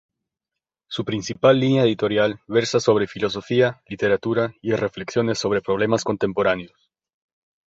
Su principal línea editorial versa sobre filosofía, literatura y reflexiones sobre problemas contemporáneos.